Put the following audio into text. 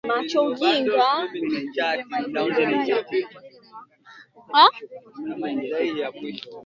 Gari lake liliharibika njiani